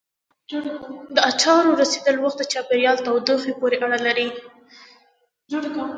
د اچارو رسېدلو وخت د چاپېریال تودوخې پورې اړه لري.